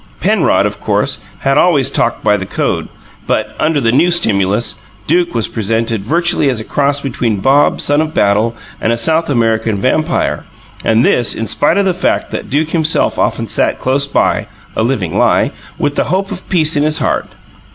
Penrod, of course, had always talked by the code, but, under the new stimulus, Duke was represented virtually as a cross between Bob, Son of Battle, and a South American vampire; and this in spite of the fact that Duke himself often sat close by, a living lie, with the hope of peace in his heart.